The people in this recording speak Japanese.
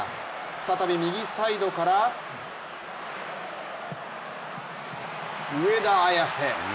再び右サイドから上田綺世。